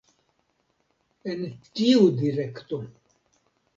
En tiu direkto.